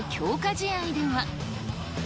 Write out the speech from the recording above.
試合では。